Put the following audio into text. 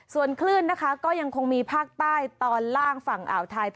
ส่วนคลื่นนะคะก็ยังคงมีภาคใต้ตอนล่างฝั่งอ่าวไทย